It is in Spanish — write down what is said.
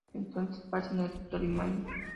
Entonces aparecen el Doctor y Mandy.